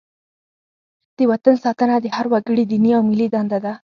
د وطن ساتنه د هر وګړي دیني او ملي دنده ده.